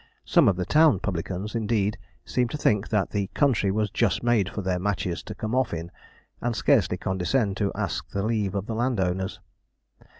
Some of the town publicans, indeed, seem to think that the country was just made for their matches to come off in, and scarcely condescend to ask the leave of the landowners.